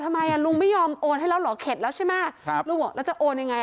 ทำไมอ่ะลุงไม่ยอมโอนให้แล้วเหรอเข็ดแล้วใช่ไหมครับลุงบอกแล้วจะโอนยังไง